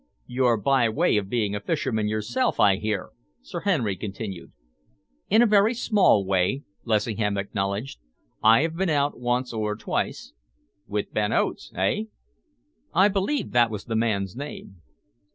"You're by way of being a fisherman yourself, I hear?" Sir Henry continued. "In a very small way," Lessingham acknowledged. "I have been out once or twice." "With Ben Oates, eh?" "I believe that was the man's name."